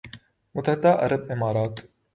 متحدہ عرب امارات